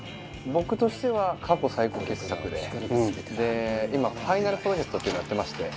僕としては過去最高傑作でで今ファイナルプロジェクトっていうのをやってまして。